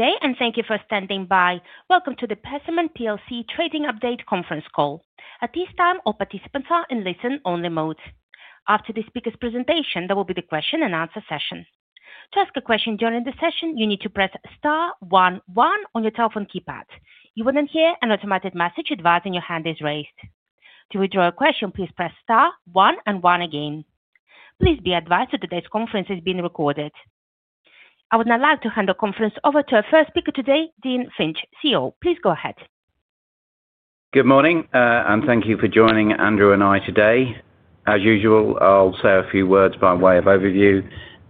Today, and thank you for standing by. Welcome to the Persimmon PLC Trading Update Conference Call. At this time, all participants are in listen-only mode. After this speaker's presentation, there will be the question-and-answer session. To ask a question during the session, you need to press *11* on your telephone keypad. You will then hear an automated message advising your hand is raised. To withdraw a question, please press *1* and *1* again. Please be advised that today's conference is being recorded. I would now like to hand the conference over to our first speaker today, Dean Finch, CEO. Please go ahead. Good morning, and thank you for joining Andrew and I today. As usual, I'll say a few words by way of overview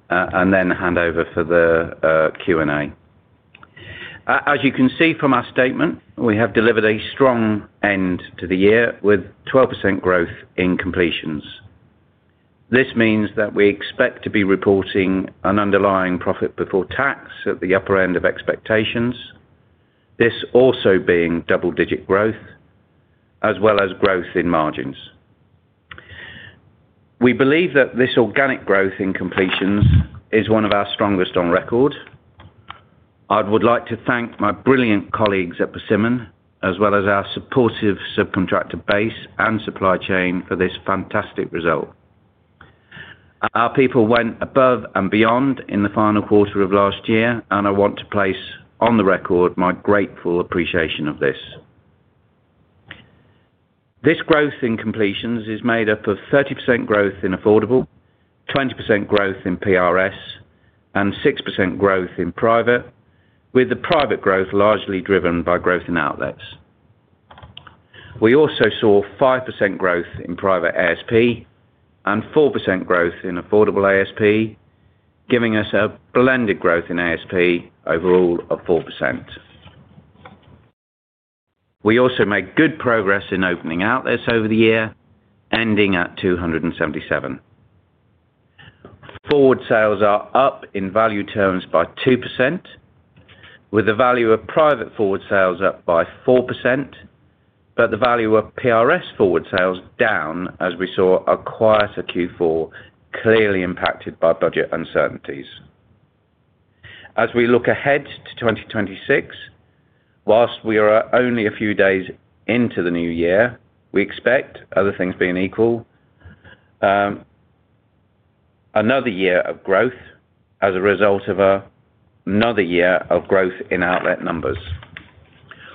and then hand over for the Q&A. As you can see from our statement, we have delivered a strong end to the year with 12% growth in completions. This means that we expect to be reporting an underlying profit before tax at the upper end of expectations, this also being double-digit growth, as well as growth in margins. We believe that this organic growth in completions is one of our strongest on record. I would like to thank my brilliant colleagues at Persimmon, as well as our supportive subcontractor base and supply chain for this fantastic result. Our people went above and beyond in the final quarter of last year, and I want to place on the record my grateful appreciation of this. This growth in completions is made up of 30% growth in affordable, 20% growth in PRS, and 6% growth in private, with the private growth largely driven by growth in outlets. We also saw 5% growth in private ASP and 4% growth in affordable ASP, giving us a blended growth in ASP overall of 4%. We also made good progress in opening outlets over the year, ending at 277. Forward sales are up in value terms by 2%, with the value of private forward sales up by 4%, but the value of PRS forward sales down, as we saw across a Q4, clearly impacted by budget uncertainties. As we look ahead to 2026, whilst we are only a few days into the new year, we expect, other things being equal, another year of growth as a result of another year of growth in outlet numbers.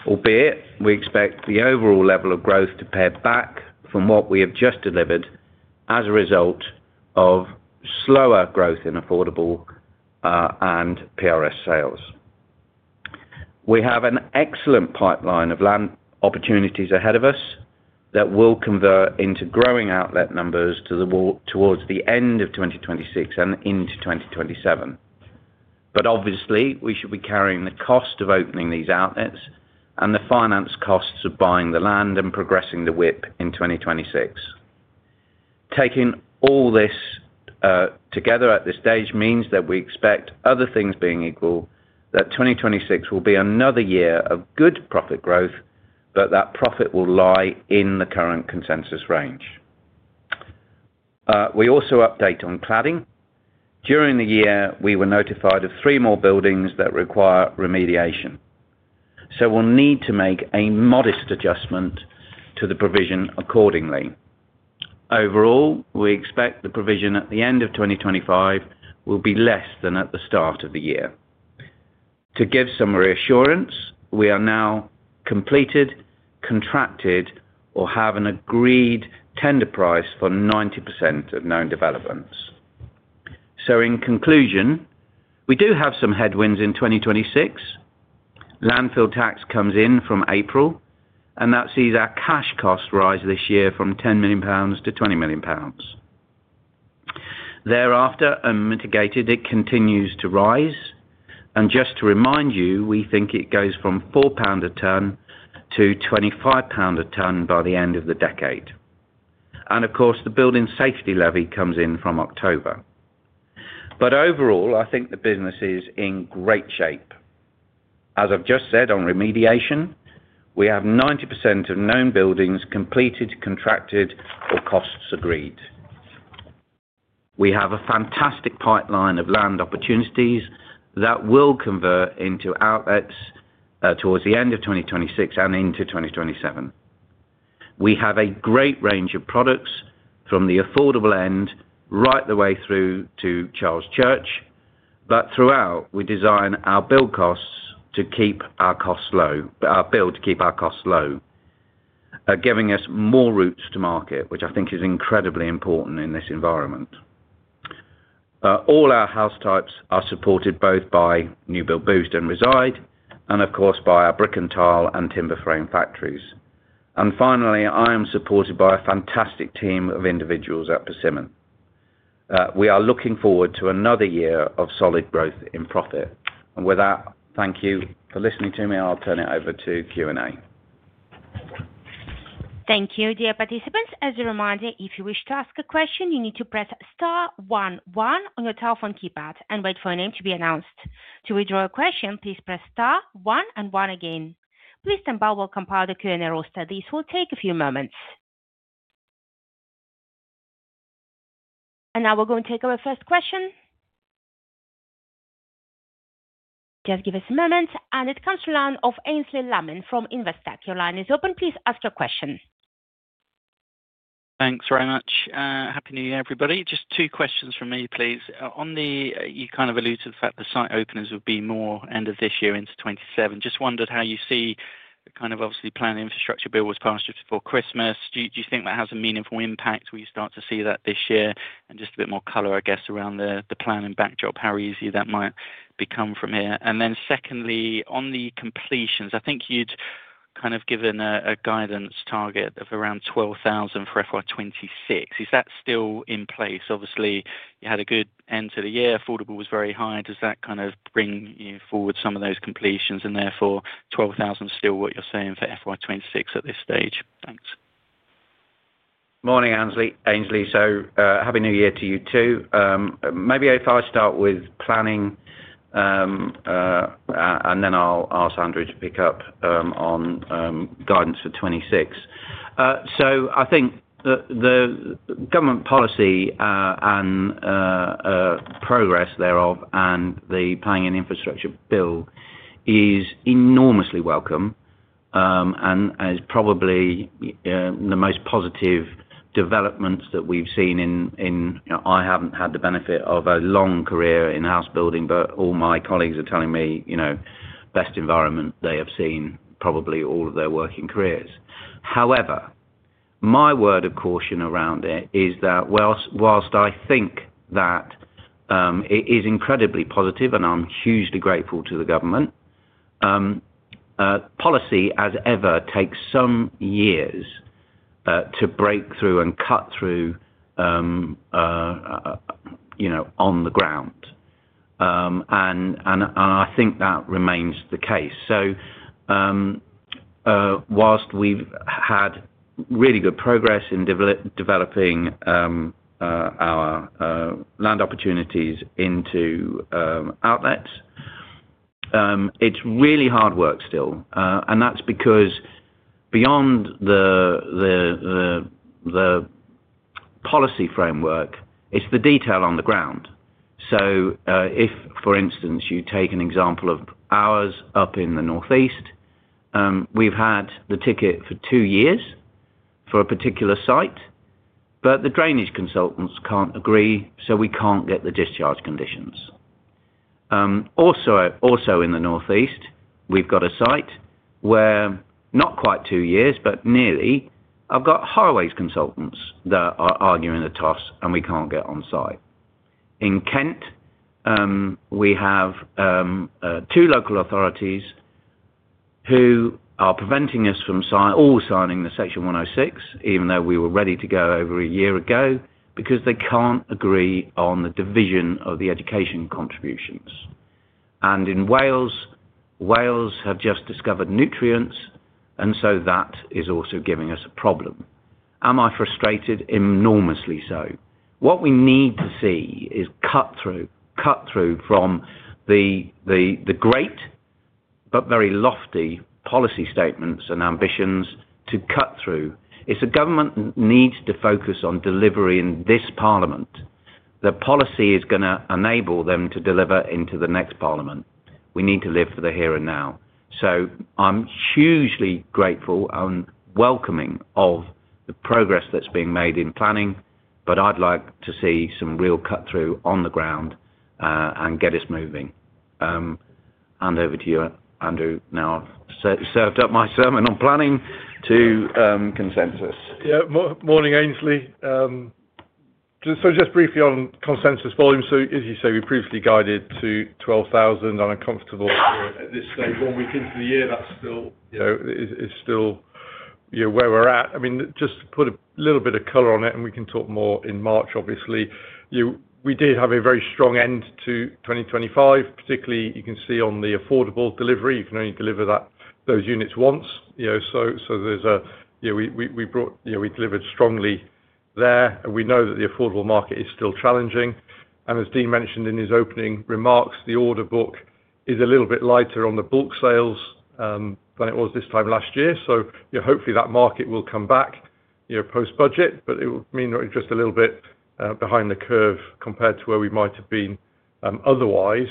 Albeit, we expect the overall level of growth to pare back from what we have just delivered as a result of slower growth in affordable and PRS sales. We have an excellent pipeline of land opportunities ahead of us that will convert into growing outlet numbers towards the end of 2026 and into 2027. But obviously, we should be carrying the cost of opening these outlets and the finance costs of buying the land and progressing the WIP in 2026. Taking all this together at this stage means that we expect, other things being equal, that 2026 will be another year of good profit growth, but that profit will lie in the current consensus range. We also update on cladding. During the year, we were notified of three more buildings that require remediation, so we'll need to make a modest adjustment to the provision accordingly. Overall, we expect the provision at the end of 2025 will be less than at the start of the year. To give some reassurance, we are now completed, contracted, or have an agreed tender price for 90% of known developments, so in conclusion, we do have some headwinds in 2026. Landfill Tax comes in from April, and that sees our cash cost rise this year from £10 million to £20 million. Thereafter, unmitigated, it continues to rise, and just to remind you, we think it goes from £4 a tonne to £25 a tonne by the end of the decade, and of course, the Building Safety Levy comes in from October, but overall, I think the business is in great shape. As I've just said on remediation, we have 90% of known buildings completed, contracted, or costs agreed. We have a fantastic pipeline of land opportunities that will convert into outlets towards the end of 2026 and into 2027. We have a great range of products from the affordable end right the way through to Charles Church, but throughout, we design our build costs to keep our costs low, giving us more routes to market, which I think is incredibly important in this environment. All our house types are supported both by New Build Boost and Reside, and of course, by our brick and tile and timber frame factories. Finally, I am supported by a fantastic team of individuals at Persimmon. We are looking forward to another year of solid growth in profit. With that, thank you for listening to me, and I'll turn it over to Q&A. Thank you, dear participants. As a reminder, if you wish to ask a question, you need to press *11* on your telephone keypad and wait for your name to be announced. To withdraw a question, please press *11* again. Please stand by while we compile the Q&A roster. This will take a few moments. And now we're going to take our first question. Just give us a moment. And it comes from the line of Aynsley Lammin from Investec. Your line is open. Please ask your question. Thanks very much. Happy New Year, everybody. Just two questions from me, please. On the, you kind of alluded to the fact the site openers will be more end of this year into 2027. Just wondered how you see kind of obviously planning infrastructure bill was passed just before Christmas. Do you think that has a meaningful impact when you start to see that this year and just a bit more color, I guess, around the planning backdrop, how easy that might become from here? And then secondly, on the completions, I think you'd kind of given a guidance target of around 12,000 for FY26. Is that still in place? Obviously, you had a good end to the year. Affordable was very high. Does that kind of bring you forward some of those completions and therefore 12,000 still what you're saying for FY26 at this stage? Thanks. Morning, Aynsley. Aynsley, so happy New Year to you too. Maybe if I start with planning, and then I'll ask Andrew to pick up on guidance for 2026. So I think the government policy and progress thereof and the Planning and Infrastructure Bill is enormously welcome and is probably the most positive developments that we've seen in. I haven't had the benefit of a long career in house building, but all my colleagues are telling me best environment they have seen probably all of their working careers. However, my word of caution around it is that whilst I think that it is incredibly positive and I'm hugely grateful to the government, policy as ever takes some years to break through and cut through on the ground. And I think that remains the case. So whilst we've had really good progress in developing our land opportunities into outlets, it's really hard work still. And that's because beyond the policy framework, it's the detail on the ground. So if, for instance, you take an example of ours up in the Northeast, we've had the ticket for two years for a particular site, but the drainage consultants can't agree, so we can't get the discharge conditions. Also in the Northeast, we've got a site where not quite two years, but nearly, I've got highways consultants that are arguing the toss, and we can't get on site. In Kent, we have two local authorities who are preventing us from all signing the Section 106, even though we were ready to go over a year ago because they can't agree on the division of the education contributions. And in Wales, Wales have just discovered nutrients, and so that is also giving us a problem. Am I frustrated? Enormously so. What we need to see is cut through, cut through from the great but very lofty policy statements and ambitions to cut through. It's a government needs to focus on delivery in this parliament. The policy is going to enable them to deliver into the next parliament. We need to live for the here and now. So I'm hugely grateful and welcoming of the progress that's being made in planning, but I'd like to see some real cut through on the ground and get us moving. And over to you, Andrew. Now I've served up my sermon on planning to consensus. Yeah, morning, Aynsley. So just briefly on consensus volume. So as you say, we previously guided to 12,000. I'm uncomfortable at this stage. One week into the year, that still is where we're at. I mean, just to put a little bit of color on it, and we can talk more in March, obviously. We did have a very strong end to 2025, particularly you can see on the affordable delivery. You can only deliver those units once. So there's a, we brought, we delivered strongly there, and we know that the affordable market is still challenging. And as Dean mentioned in his opening remarks, the order book is a little bit lighter on the bulk sales than it was this time last year. Hopefully that market will come back post-budget, but it will mean we're just a little bit behind the curve compared to where we might have been otherwise.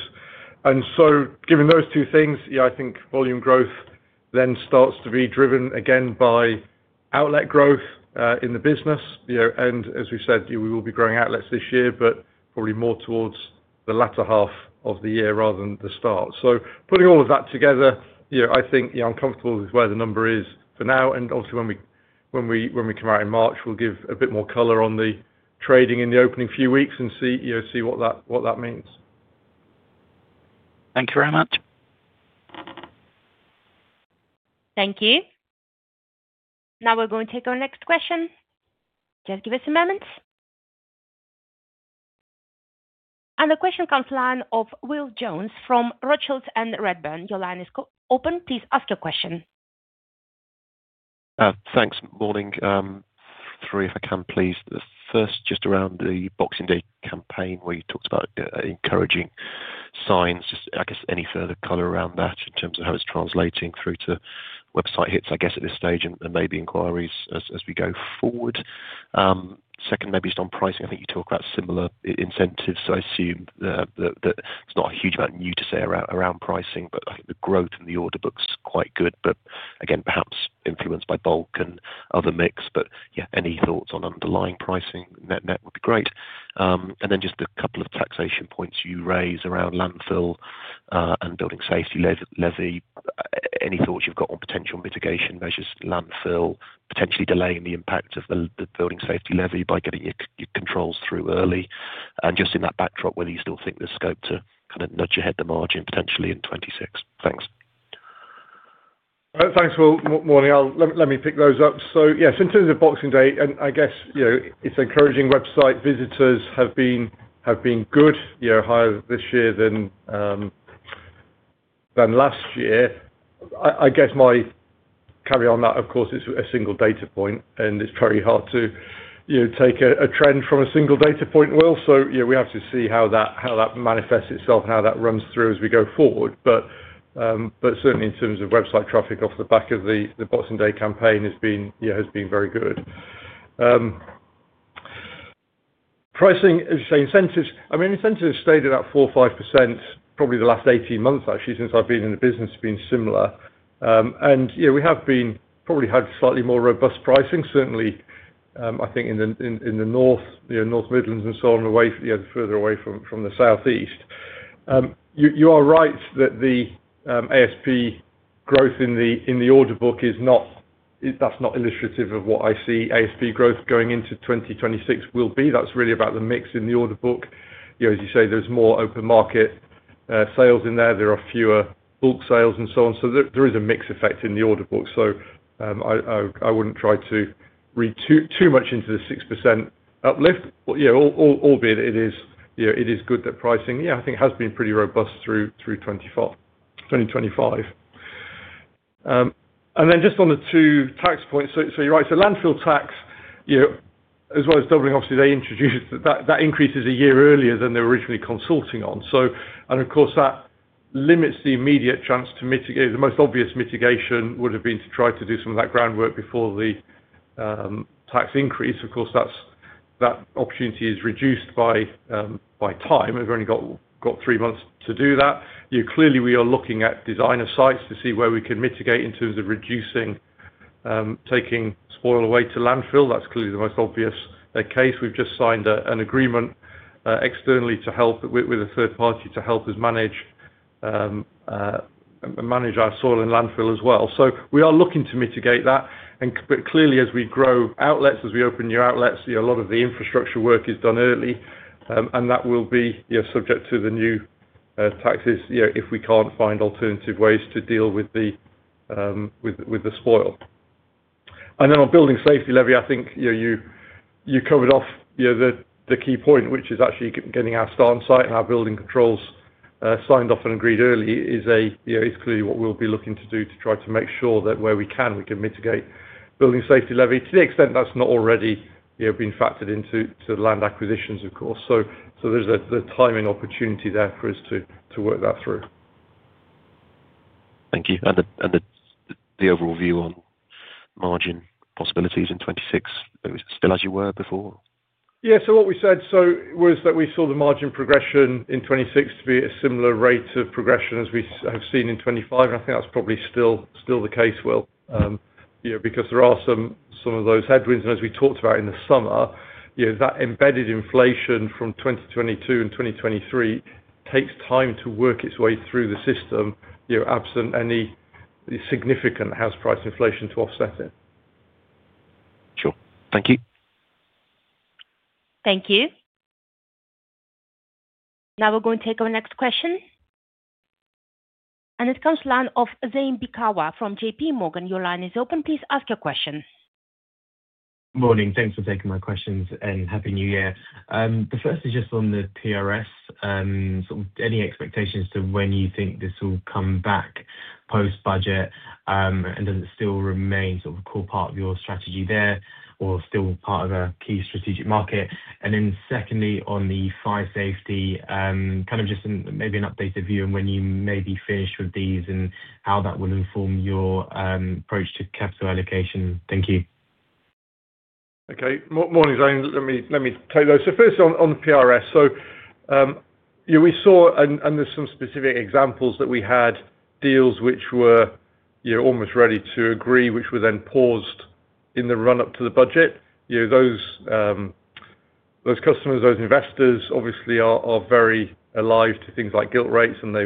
Given those two things, yeah, I think volume growth then starts to be driven again by outlet growth in the business. As we said, we will be growing outlets this year, but probably more towards the latter half of the year rather than the start. Putting all of that together, I think the uncomfortable is where the number is for now. Obviously when we come out in March, we'll give a bit more color on the trading in the opening few weeks and see what that means. Thank you very much. Thank you. Now we're going to take our next question. Just give us a moment. And the question comes to the line of Will Jones from Rothschild's and Redburn. Your line is open. Please ask your question. Thanks. Morning. Three, if I can, please. First, just around the Boxing Day campaign where you talked about encouraging signs, just I guess any further color around that in terms of how it's translating through to website hits, I guess, at this stage and maybe inquiries as we go forward. Second, maybe just on pricing, I think you talked about similar incentives, so I assume that it's not a huge amount new to say around pricing, but I think the growth in the order book's quite good, but again, perhaps influenced by bulk and other mix. But yeah, any thoughts on underlying pricing, that would be great. And then just a couple of taxation points you raised around landfill and Building Safety Levy. Any thoughts you've got on potential mitigation measures, landfill potentially delaying the impact of the Building Safety Levy by getting your controls through early? Just in that backdrop, whether you still think there's scope to kind of nudge ahead the margin potentially in 2026? Thanks. Thanks, Will. Morning. Let me pick those up. So yes, in terms of Boxing Day, and I guess it's encouraging website visitors have been good, higher this year than last year. I guess my caveat on that, of course, it's a single data point, and it's very hard to take a trend from a single data point, Will. So we have to see how that manifests itself and how that runs through as we go forward. But certainly, in terms of website traffic off the back of the Boxing Day campaign, it has been very good. Pricing, as you say, incentives, I mean, incentives stayed at that 4%, 5%, probably the last 18 months, actually, since I've been in the business, have been similar. And we have probably had slightly more robust pricing, certainly, I think, in the North, North Midlands and so on, further away from the Southeast. You are right that the ASP growth in the order book is not, that's not illustrative of what I see ASP growth going into 2026 will be. That's really about the mix in the order book. As you say, there's more open market sales in there. There are fewer bulk sales and so on. So there is a mixed effect in the order book. So I wouldn't try to read too much into the 6% uplift, but yeah, albeit it is good that pricing, yeah, I think has been pretty robust through 2025, and then just on the two tax points, so you're right, so landfill tax, as well as doubling, obviously, they introduced that increase is a year earlier than they were originally consulting on. Of course, that limits the immediate chance to mitigate. The most obvious mitigation would have been to try to do some of that groundwork before the tax increase. Of course, that opportunity is reduced by time. We've only got three months to do that. Clearly, we are looking at designer sites to see where we can mitigate in terms of reducing taking spoil away to landfill. That's clearly the most obvious case. We've just signed an agreement externally with a third party to help us manage our soil and landfill as well. So we are looking to mitigate that. And clearly, as we grow outlets, as we open new outlets, a lot of the infrastructure work is done early, and that will be subject to the new taxes if we can't find alternative ways to deal with the spoil. And then on Building Safety Levy, I think you covered off the key point, which is actually getting our starting site and our building controls signed off and agreed early is clearly what we'll be looking to do to try to make sure that where we can, we can mitigate Building Safety Levy to the extent that's not already been factored into land acquisitions, of course. So there's a timing opportunity there for us to work that through. Thank you. And the overall view on margin possibilities in 2026, still as you were before? Yeah, so what we said was that we saw the margin progression in 2026 to be at a similar rate of progression as we have seen in 2025. And I think that's probably still the case, Will, because there are some of those headwinds. And as we talked about in the summer, that embedded inflation from 2022 and 2023 takes time to work its way through the system absent any significant house price inflation to offset it. Sure. Thank you. Thank you. Now we're going to take our next question. And it comes to the line of Zane Bikawa from J.P. Morgan. Your line is open. Please ask your question. Morning. Thanks for taking my questions and happy New Year. The first is just on the PRS, sort of any expectations to when you think this will come back post-budget, and does it still remain sort of a core part of your strategy there or still part of a key strategic market? And then secondly, on the fire safety, kind of just maybe an updated view and when you may be finished with these and how that will inform your approach to capital allocation. Thank you. Okay. Morning, Zane. Let me take those. So first on the PRS, so we saw, and there's some specific examples that we had deals which were almost ready to agree, which were then paused in the run-up to the budget. Those customers, those investors obviously are very alive to things like gilt rates, and they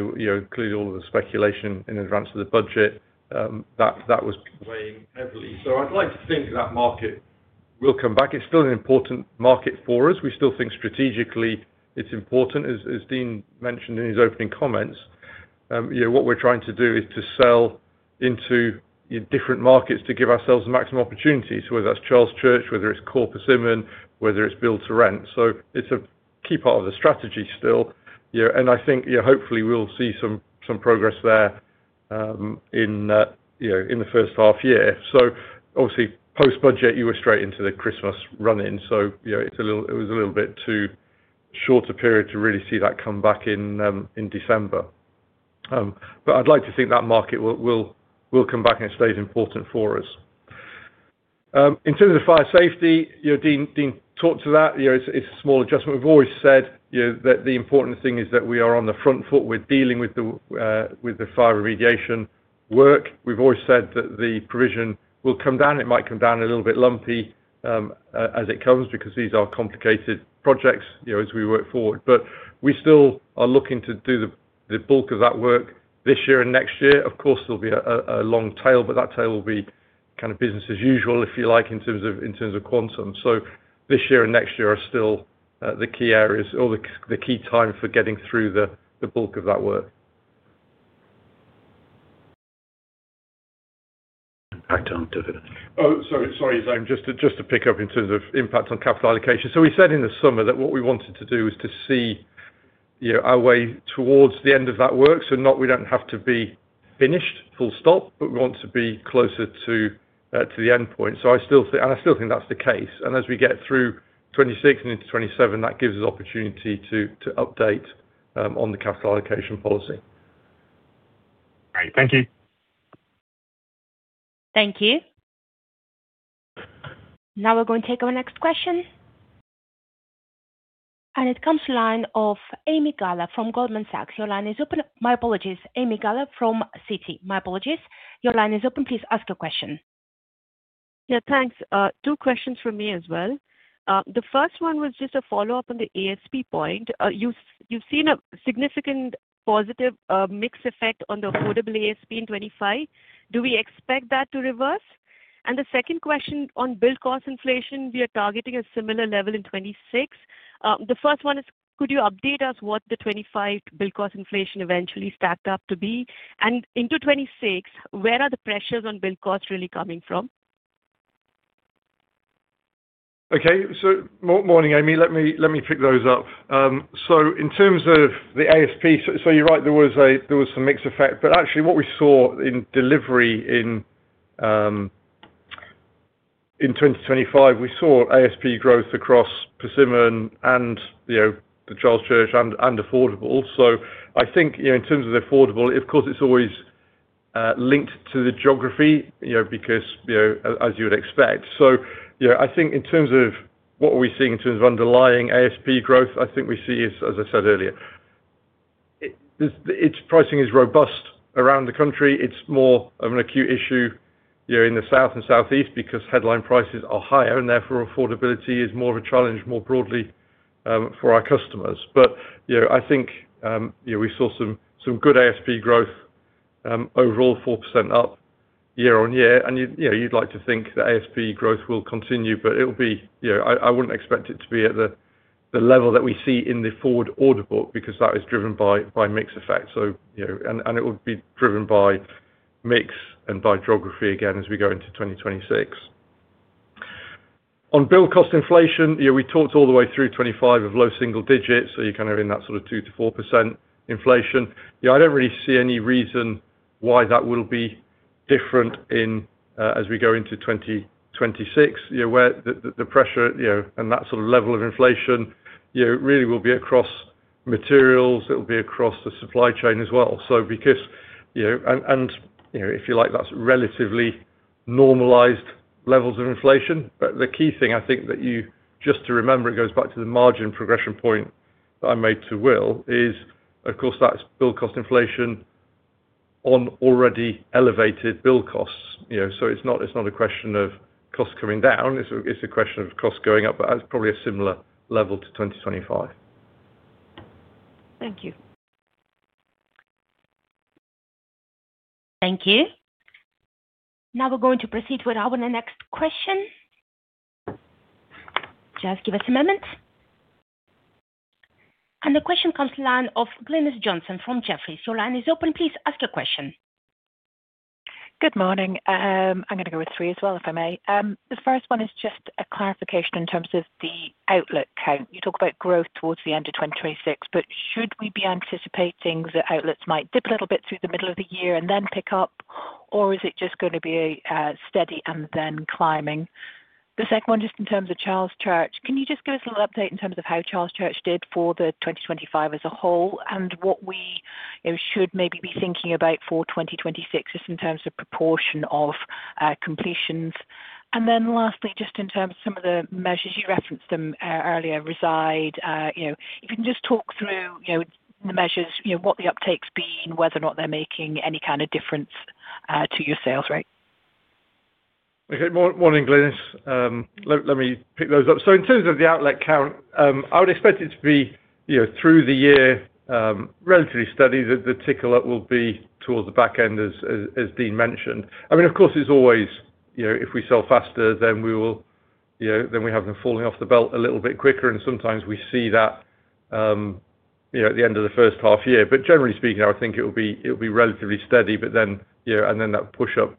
clearly all of the speculation in advance of the budget, that was weighing heavily. So I'd like to think that market will come back. It's still an important market for us. We still think strategically it's important, as Dean mentioned in his opening comments. What we're trying to do is to sell into different markets to give ourselves the maximum opportunities, whether that's Charles Church, whether it's Persimmon, whether it's build to rent. So it's a key part of the strategy still. I think hopefully we'll see some progress there in the first half year. Obviously, post-budget, you were straight into the Christmas run-in. It was a little bit too short a period to really see that come back in December. I'd like to think that market will come back and stay important for us. In terms of fire safety, Dean talked to that. It's a small adjustment. We've always said that the important thing is that we are on the front foot. We're dealing with the fire remediation work. We've always said that the provision will come down. It might come down a little bit lumpy as it comes because these are complicated projects as we work forward. We still are looking to do the bulk of that work this year and next year. Of course, there'll be a long tail, but that tail will be kind of business as usual, if you like, in terms of quantum. So this year and next year are still the key areas or the key time for getting through the bulk of that work. Impact on delivery. Oh, sorry. Sorry, Zane. Just to pick up in terms of impact on capital allocation. So we said in the summer that what we wanted to do is to see our way towards the end of that work. So we don't have to be finished, full stop, but we want to be closer to the end point and as we get through 2026 and into 2027, that gives us opportunity to update on the capital allocation policy. Great. Thank you. Thank you. Now we're going to take our next question. And it comes to the line of Ami Guller from Goldman Sachs. Your line is open. My apologies. Ami Guller from Citi. My apologies. Your line is open. Please ask your question. Yeah, thanks. Two questions for me as well. The first one was just a follow-up on the ASP point. You've seen a significant positive mixed effect on the affordable ASP in 2025. Do we expect that to reverse? And the second question on build cost inflation, we are targeting a similar level in 2026. The first one is, could you update us what the 2025 build cost inflation eventually stacked up to be? And into 2026, where are the pressures on build costs really coming from? Okay. So morning, Ami. Let me pick those up. So in terms of the ASP, so you're right, there was some mixed effect. But actually, what we saw in delivery in 2025, we saw ASP growth across Persimmon and the Charles Church and affordable. So I think in terms of the affordable, of course, it's always linked to the geography because, as you would expect. So I think in terms of what we're seeing in terms of underlying ASP growth, I think we see, as I said earlier, it's pricing is robust around the country. It's more of an acute issue in the south and southeast because headline prices are higher, and therefore affordability is more of a challenge more broadly for our customers. But I think we saw some good ASP growth overall, 4% up year on year. And you'd like to think that ASP growth will continue, but, I wouldn't expect it to be at the level that we see in the forward order book because that is driven by mixed effects. And it will be driven by mix and by geography again as we go into 2026. On build cost inflation, we talked all the way through 2025 of low single digits, so you're kind of in that sort of 2% to 4% inflation. I don't really see any reason why that will be different as we go into 2026, where the pressure and that sort of level of inflation really will be across materials. It'll be across the supply chain as well. And if you like, that's relatively normalized levels of inflation. But the key thing, I think, that you just to remember, it goes back to the margin progression point that I made to Will, is, of course, that's build cost inflation on already elevated build costs. So it's not a question of costs coming down. It's a question of costs going up, but that's probably a similar level to 2025. Thank you. Thank you. Now we're going to proceed with our next question. Just give us a moment, and the question comes to the line of Glynis Johnson from Jefferies. Your line is open. Please ask your question. Good morning. I'm going to go with three as well, if I may. The first one is just a clarification in terms of the outlet count. You talk about growth towards the end of 2026, but should we be anticipating that outlets might dip a little bit through the middle of the year and then pick up, or is it just going to be steady and then climbing? The second one, just in terms of Charles Church, can you just give us a little update in terms of how Charles Church did for the 2025 as a whole and what we should maybe be thinking about for 2026, just in terms of proportion of completions? And then lastly, just in terms of some of the measures you referenced them earlier, Reside. If you can just talk through the measures, what the uptake's been, whether or not they're making any kind of difference to your sales rate? Okay. Morning, Glynis. Let me pick those up. So in terms of the outlet count, I would expect it to be through the year, relatively steady. The tickle up will be towards the back end, as Dean mentioned. I mean, of course, it's always if we sell faster, then we have them falling off the belt a little bit quicker. And sometimes we see that at the end of the first half year. But generally speaking, I think it will be relatively steady, and then that push up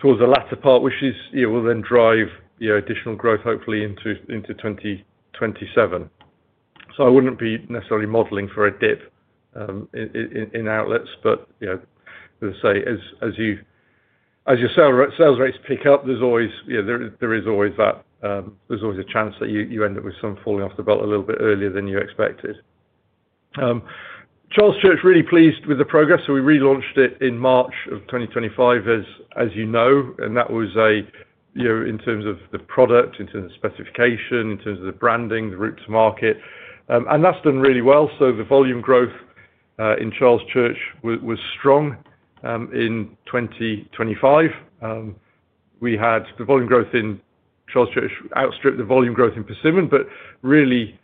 towards the latter part, which will then drive additional growth, hopefully, into 2027. So I wouldn't be necessarily modeling for a dip in outlets. But as I say, as your sales rates pick up, there's always a chance that you end up with some falling off the belt a little bit earlier than you expected. Charles Church, really pleased with the progress, so we relaunched it in March of 2025, as you know, and that was in terms of the product, in terms of specification, in terms of the branding, the route to market, and that's done really well, so the volume growth in Charles Church was strong in 2025. We had the volume growth in Charles Church outstripped the volume growth in Persimmon, but really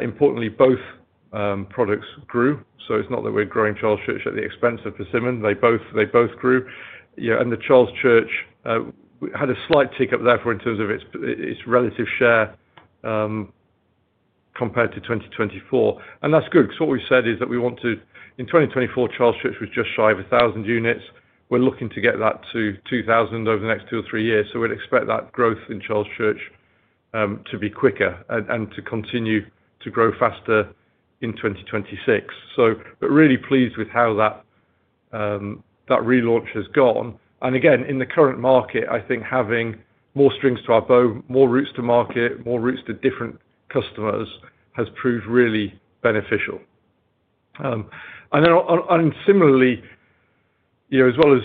importantly, both products grew, so it's not that we're growing Charles Church at the expense of Persimmon. They both grew, and the Charles Church had a slight tick up, therefore, in terms of its relative share compared to 2024, and that's good because what we've said is that we want to, in 2024, Charles Church was just shy of 1,000 units. We're looking to get that to 2,000 over the next two or three years. So we'd expect that growth in Charles Church to be quicker and to continue to grow faster in 2026. So we're really pleased with how that relaunch has gone. And again, in the current market, I think having more strings to our bow, more routes to market, more routes to different customers has proved really beneficial. And similarly, as well as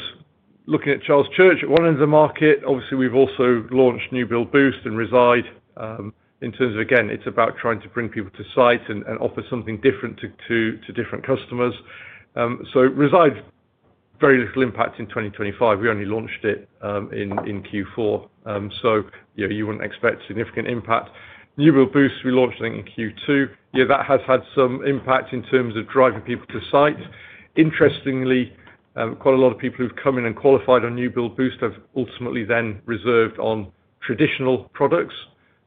looking at Charles Church, one end of the market, obviously, we've also launched New Build Boost and Reside in terms of, again, it's about trying to bring people to sites and offer something different to different customers. So Reside's very little impact in 2025. We only launched it in Q4. So you wouldn't expect significant impact. New Build Boost, we launched, I think, in Q2. That has had some impact in terms of driving people to site. Interestingly, quite a lot of people who've come in and qualified on new build boost have ultimately then reserved on traditional products.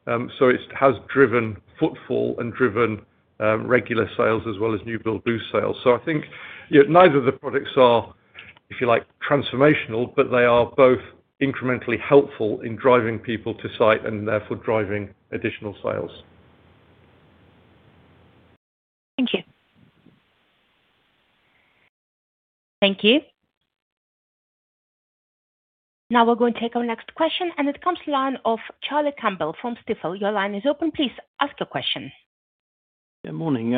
So it has driven footfall and driven regular sales as well as new build boost sales. So I think neither of the products are, if you like, transformational, but they are both incrementally helpful in driving people to site and therefore driving additional sales. Thank you. Thank you. Now we're going to take our next question and it comes to the line of Charlie Campbell from Stifel. Your line is open. Please ask your question. Good morning.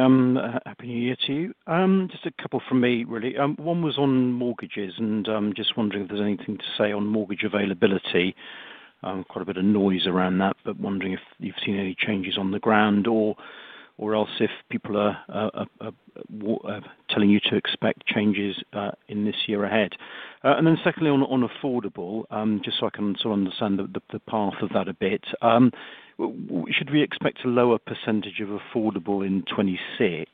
Happy New Year to you. Just a couple from me, really. One was on mortgages and just wondering if there's anything to say on mortgage availability. Quite a bit of noise around that, but wondering if you've seen any changes on the ground or else if people are telling you to expect changes in this year ahead. And then secondly, on affordable, just so I can sort of understand the path of that a bit. Should we expect a lower percentage of affordable in 2026?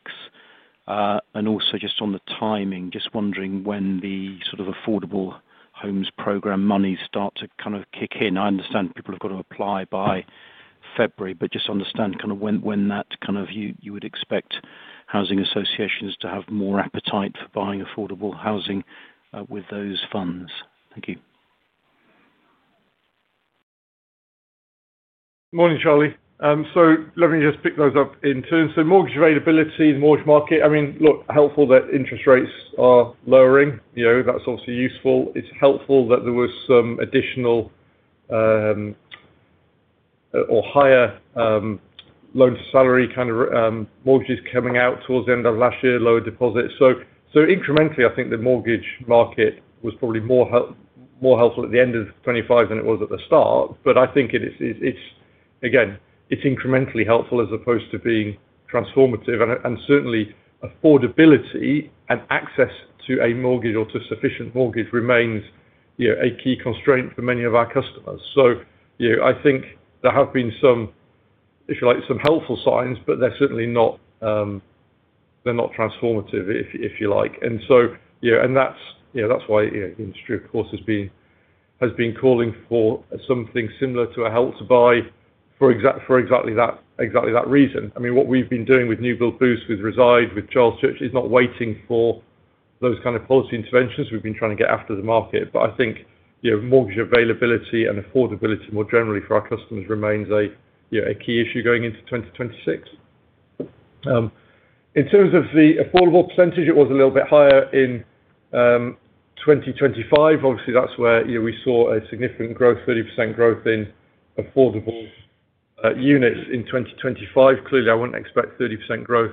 And also just on the timing, just wondering when the sort of affordable homes program money start to kind of kick in. I understand people have got to apply by February, but just understand kind of when that kind of you would expect housing associations to have more appetite for buying affordable housing with those funds. Thank you. Morning, Charlie. So let me just pick those up in turn. So mortgage availability, the mortgage market, I mean, look, helpful that interest rates are lowering. That's obviously useful. It's helpful that there was some additional or higher loan-to-salary kind of mortgages coming out towards the end of last year, lower deposits. So incrementally, I think the mortgage market was probably more helpful at the end of 2025 than it was at the start. But I think, again, it's incrementally helpful as opposed to being transformative. And certainly, affordability and access to a mortgage or to sufficient mortgage remains a key constraint for many of our customers. So I think there have been some, if you like, some helpful signs, but they're certainly not transformative, if you like. And that's why the industry, of course, has been calling for something similar to a Help to Buy for exactly that reason. I mean, what we've been doing with New Build Boost, with Reside, with Charles Church, is not waiting for those kind of policy interventions. We've been trying to get after the market. But I think mortgage availability and affordability more generally for our customers remains a key issue going into 2026. In terms of the affordable percentage, it was a little bit higher in 2025. Obviously, that's where we saw a significant growth, 30% growth in affordable units in 2025. Clearly, I wouldn't expect 30% growth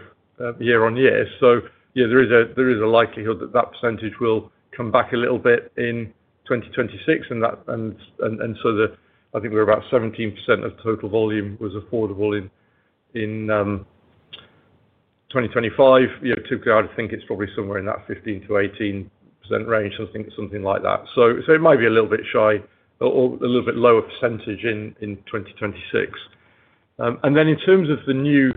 year on year. So there is a likelihood that that percentage will come back a little bit in 2026. And so I think we were about 17% of total volume was affordable in 2025. Typically, I would think it's probably somewhere in that 15%-18% range, something like that. So it might be a little bit shy or a little bit lower percentage in 2026. And then in terms of the new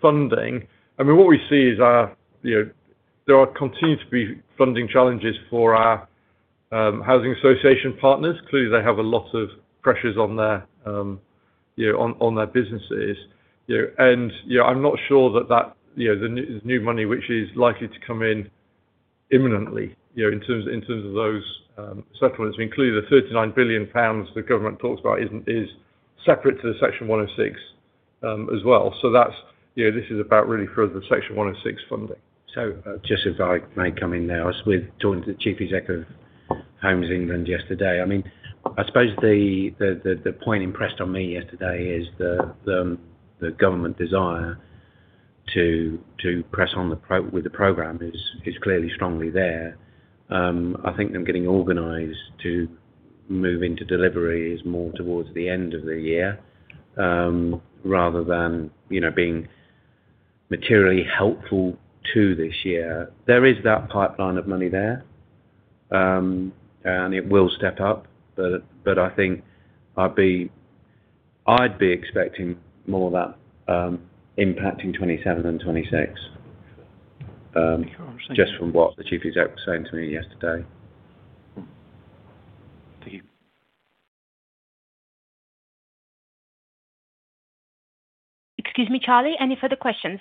funding, I mean, what we see is there continue to be funding challenges for our housing association partners. Clearly, they have a lot of pressures on their businesses. And I'm not sure that the new money, which is likely to come in imminently in terms of those settlements, including the 39 billion pounds the government talks about, is separate to the Section 106 as well. So this is about really for the Section 106 funding. So just if I may come in there, I was talking to the Chief Executive of Homes England yesterday. I mean, I suppose the point impressed on me yesterday is the government desire to press on with the program is clearly strongly there. I think them getting organized to move into delivery is more towards the end of the year rather than being materially helpful to this year. There is that pipeline of money there, and it will step up. But I think I'd be expecting more of that impact in 2027 than 2026, just from what the Chief Executive was saying to me yesterday. Thank you. Excuse me, Charlie. Any further questions?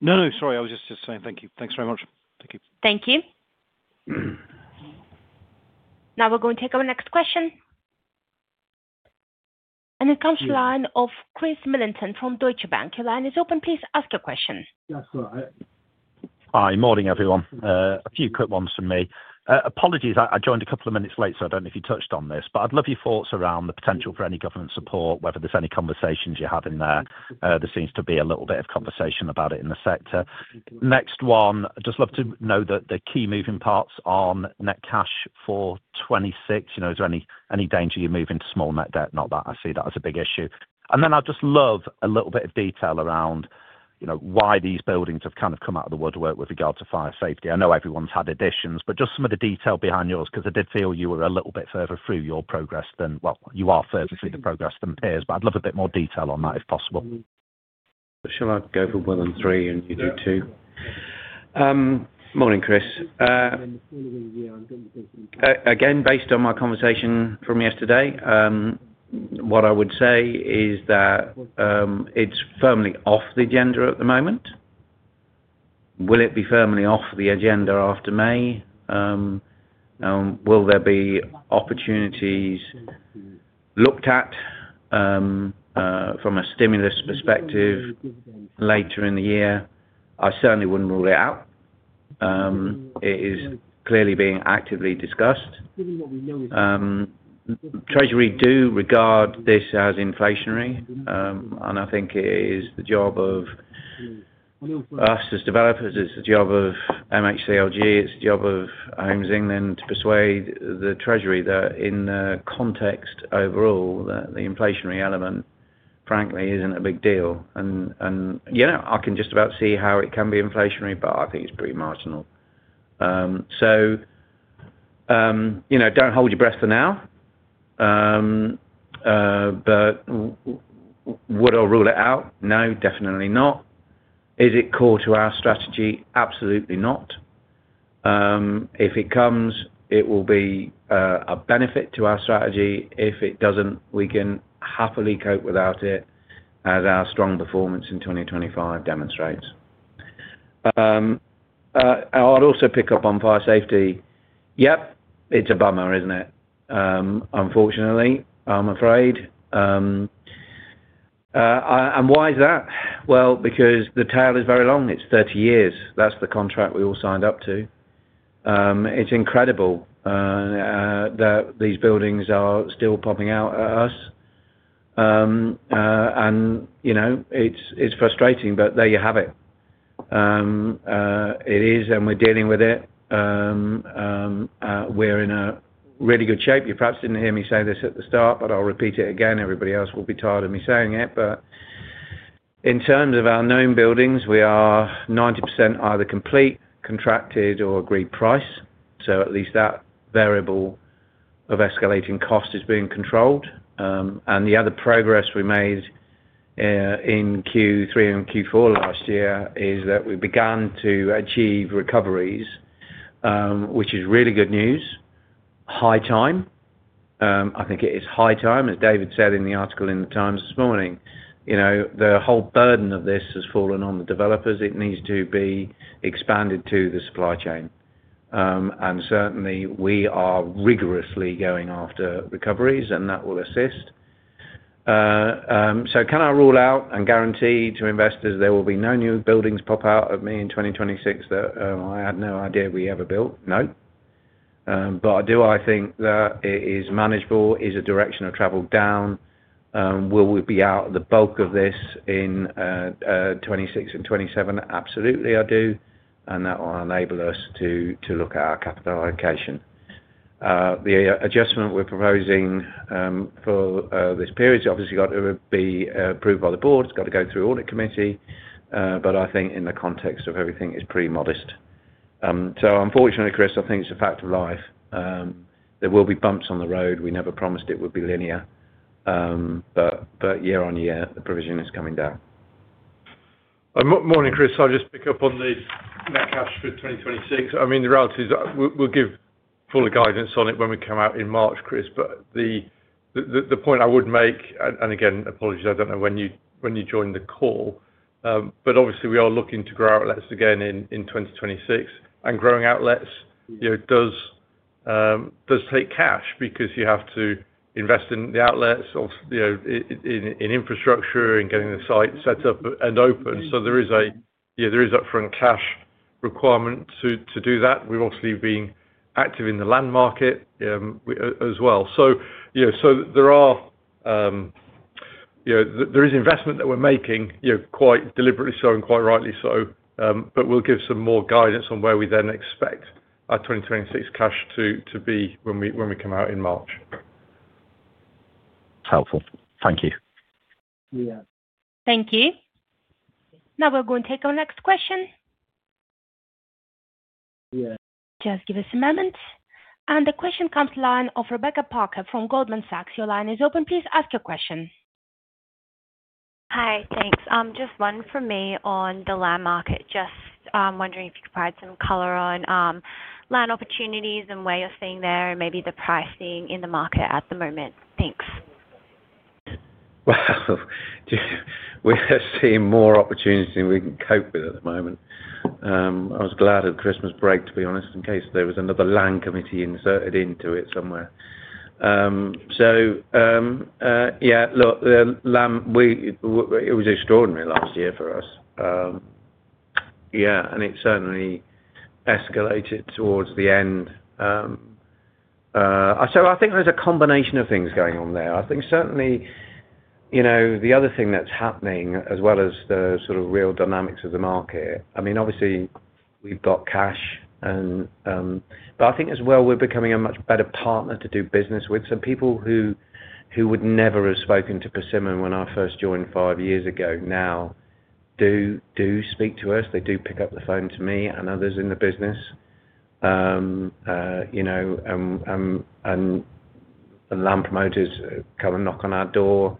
No, no. Sorry. I was just saying thank you. Thanks very much. Thank you. Thank you. Now we're going to take our next question. And it comes to the line of Chris Millington from Deutsche Bank. Your line is open. Please ask your question. Hi. Morning, everyone. A few quick ones from me. Apologies, I joined a couple of minutes late, so I don't know if you touched on this, but I'd love your thoughts around the potential for any government support, whether there's any conversations you're having there. There seems to be a little bit of conversation about it in the sector. Next one, I'd just love to know the key moving parts on net cash for 2026. Is there any danger you move into small net debt? Not that. I see that as a big issue. And then I'd just love a little bit of detail around why these buildings have kind of come out of the woodwork with regard to fire safety. I know everyone's had additions, but just some of the detail behind yours because I did feel you were a little bit further through your progress than, well, you are further through the progress than peers. But I'd love a bit more detail on that if possible. Shall I go for one on three and you do two? Morning, Chris. Again, based on my conversation from yesterday, what I would say is that it's firmly off the agenda at the moment. Will it be firmly off the agenda after May? Will there be opportunities looked at from a stimulus perspective later in the year? I certainly wouldn't rule it out. It is clearly being actively discussed. Treasury do regard this as inflationary, and I think it is the job of us as developers, it's the job of MHCLG, it's the job of Homes England to persuade the Treasury that in the context overall, the inflationary element, frankly, isn't a big deal, and I can just about see how it can be inflationary, but I think it's pretty marginal, so don't hold your breath for now, but would I rule it out? No, definitely not. Is it core to our strategy? Absolutely not. If it comes, it will be a benefit to our strategy. If it doesn't, we can happily cope without it, as our strong performance in 2025 demonstrates. I'll also pick up on fire safety. Yep, it's a bummer, isn't it? Unfortunately, I'm afraid. And why is that? Well, because the tail is very long. It's 30 years. That's the contract we all signed up to. It's incredible that these buildings are still popping out at us. And it's frustrating, but there you have it. It is, and we're dealing with it. We're in really good shape. You perhaps didn't hear me say this at the start, but I'll repeat it again. Everybody else will be tired of me saying it. But in terms of our known buildings, we are 90% either complete, contracted, or agreed price. So at least that variable of escalating cost is being controlled. And the other progress we made in Q3 and Q4 last year is that we began to achieve recoveries, which is really good news. High time. I think it is high time, as David said in the article in The Times this morning. The whole burden of this has fallen on the developers. It needs to be expanded to the supply chain. And certainly, we are rigorously going after recoveries, and that will assist. So can I rule out and guarantee to investors there will be no new buildings pop out of me in 2026 that I had no idea we ever built? No. But do I think that it is manageable? Is the direction of travel down? Will we be out of the bulk of this in 2026 and 2027? Absolutely, I do. And that will enable us to look at our capital allocation. The adjustment we're proposing for this period has obviously got to be approved by the board. It's got to go through an audit committee. But I think in the context of everything, it's pretty modest. So unfortunately, Chris, I think it's a fact of life. There will be bumps on the road. We never promised it would be linear. But year on year, the provision is coming down. Morning, Chris. I'll just pick up on the net cash for 2026. I mean, the reality is we'll give full guidance on it when we come out in March, Chris. But the point I would make, and again, apologies, I don't know when you joined the call, but obviously, we are looking to grow outlets again in 2026. And growing outlets does take cash because you have to invest in the outlets, in infrastructure, in getting the site set up and open. So there is an upfront cash requirement to do that. We've obviously been active in the land market as well. So there is investment that we're making, quite deliberately so and quite rightly so, but we'll give some more guidance on where we then expect our 2026 cash to be when we come out in March. Helpful. Thank you. Thank you. Now we're going to take our next question. Just give us a moment. And the question comes to the line of Rebecca Parker from Goldman Sachs. Your line is open. Please ask your question. Hi, thanks. Just one for me on the land market. Just wondering if you could provide some color on land opportunities and where you're seeing there, maybe the pricing in the market at the moment. Thanks. We're seeing more opportunities than we can cope with at the moment. I was glad of Christmas break, to be honest, in case there was another land committee inserted into it somewhere. Yeah, look, it was extraordinary last year for us. Yeah, and it certainly escalated towards the end. I think there's a combination of things going on there. I think certainly the other thing that's happening, as well as the sort of real dynamics of the market, I mean, obviously, we've got cash. I think as well, we're becoming a much better partner to do business with. People who would never have spoken to Persimmon when I first joined five years ago now do speak to us. They do pick up the phone to me and others in the business. Land promoters come and knock on our door.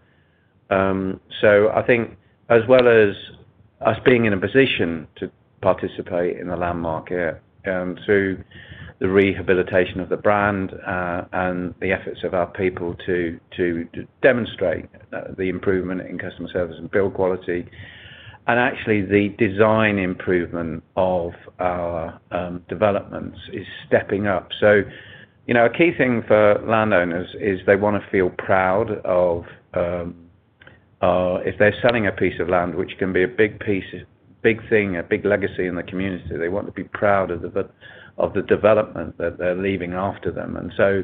So, I think as well as us being in a position to participate in the land market through the rehabilitation of the brand and the efforts of our people to demonstrate the improvement in customer service and build quality. And actually, the design improvement of our developments is stepping up. So, a key thing for landowners is they want to feel proud of, if they're selling a piece of land, which can be a big thing, a big legacy in the community. They want to be proud of the development that they're leaving after them. And so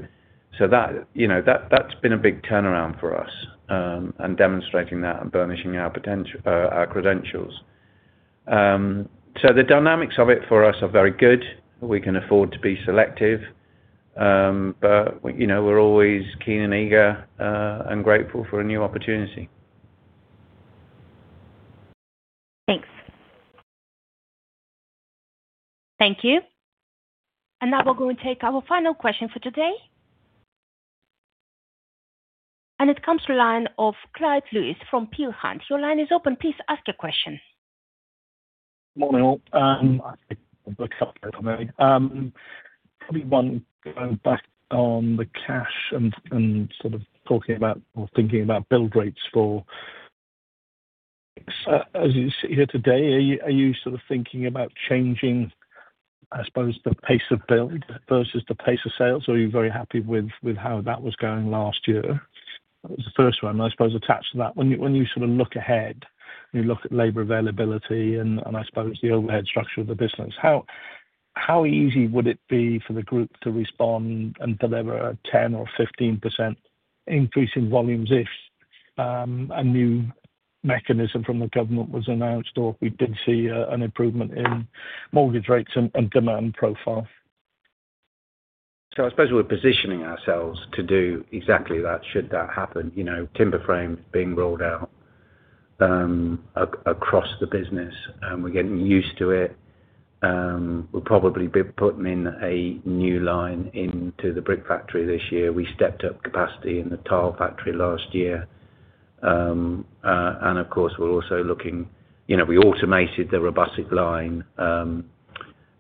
that's been a big turnaround for us and demonstrating that and burnishing our credentials. So, the dynamics of it for us are very good. We can afford to be selective. But we're always keen and eager and grateful for a new opportunity. Thanks. Thank you. And now we're going to take our final question for today. And it comes to the line of Clyde Lewis from Peel Hunt. Your line is open. Please ask your question. Morning, all. I'll pick up a little bit. Probably one going back on the cash and sort of talking about or thinking about build rates for. As you sit here today, are you sort of thinking about changing, I suppose, the pace of build versus the pace of sales? Or are you very happy with how that was going last year? That was the first one. And I suppose attached to that, when you sort of look ahead, you look at labor availability and I suppose the overhead structure of the business, how easy would it be for the group to respond and deliver a 10% or 15% increase in volumes if a new mechanism from the government was announced or if we did see an improvement in mortgage rates and demand profile? I suppose we're positioning ourselves to do exactly that should that happen. Timber frames being rolled out across the business. We're getting used to it. We'll probably be putting in a new line into the brick factory this year. We stepped up capacity in the tile factory last year. And of course, we're also looking, we automated the robotic line in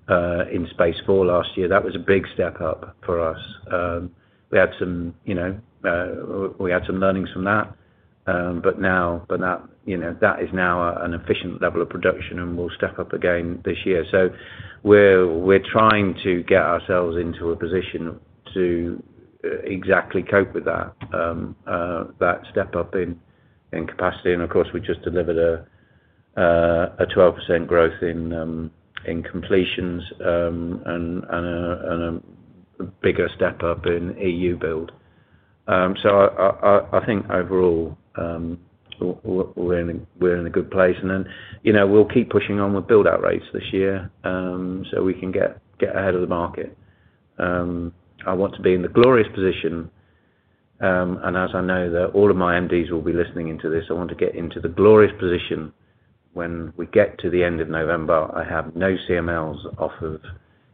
Space4 last year. That was a big step up for us. We had some learnings from that. But that is now an efficient level of production, and we'll step up again this year. We're trying to get ourselves into a position to exactly cope with that step up in capacity. And of course, we just delivered a 12% growth in completions and a bigger step up in new build. I think overall, we're in a good place. And then we'll keep pushing on with build-out rates this year so we can get ahead of the market. I want to be in the glorious position. And as I know that all of my MDs will be listening into this, I want to get into the glorious position when we get to the end of November, I have no CMLs off of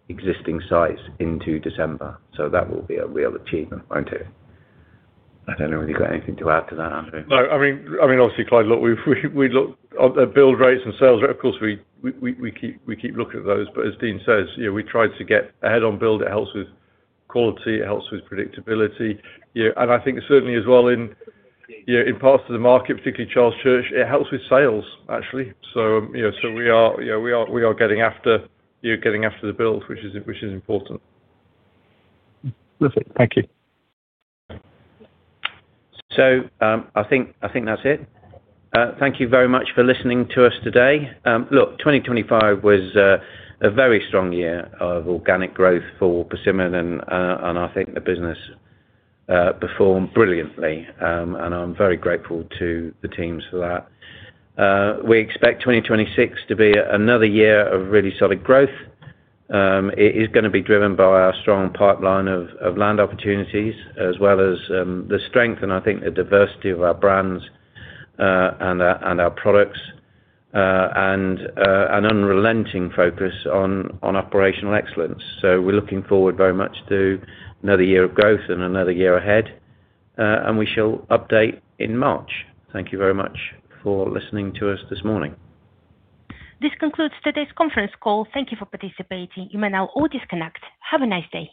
existing sites into December. So that will be a real achievement, won't it? I don't know whether you've got anything to add to that, Andrew. No. I mean, obviously, Clyde, look, we look at build rates and sales. Of course, we keep looking at those. But as Dean says, we tried to get ahead on build. It helps with quality. It helps with predictability. And I think certainly as well in parts of the market, particularly Charles Church, it helps with sales, actually. So we are getting after the build, which is important. Perfect. Thank you. So I think that's it. Thank you very much for listening to us today. Look, 2025 was a very strong year of organic growth for Persimmon, and I think the business performed brilliantly. And I'm very grateful to the teams for that. We expect 2026 to be another year of really solid growth. It is going to be driven by our strong pipeline of land opportunities as well as the strength and I think the diversity of our brands and our products and an unrelenting focus on operational excellence. So we're looking forward very much to another year of growth and another year ahead. And we shall update in March. Thank you very much for listening to us this morning. This concludes today's conference call. Thank you for participating. You may now all disconnect. Have a nice day.